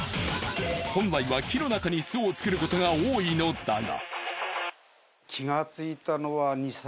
本来は木の中に巣を作ることが多いのだが。